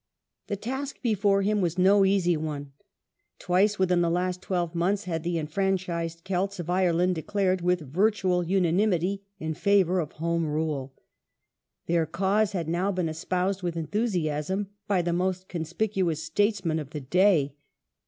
The task before him was no easy one. Twice within the last Unionist twelve months had the enfranchised Celts of Ireland declared, with ^^^^^y virtual unanimity, in favour of Home Rule. Their cause had now been espoused with enthusiasm by the most conspicuous statesman of the day.